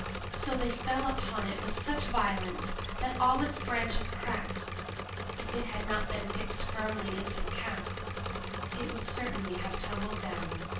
So they fell upon it with such violence that all its branches cracked; if it had not been fixed firmly in the cask, it would certainly have tumbled down.